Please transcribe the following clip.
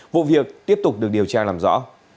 vụ việc tiếp tục được điều tra làm rõ